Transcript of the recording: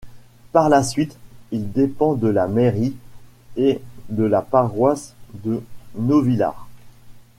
Par la suite, il dépend de la mairie et de la paroisse de Novillars.